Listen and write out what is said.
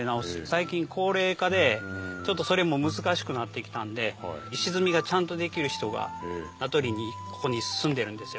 最近高齢化でそれも難しくなってきたんで石積みがちゃんとできる人がここに住んでるんですよ。